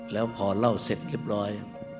แล้วพอเล่าเสร็จเรียบร้อย